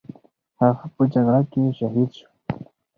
هغه په جګړه کې شهید شو.